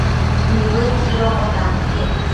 Nibëdquidonbo tantiec